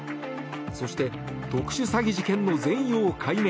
そして、特殊詐欺事件の全容解明。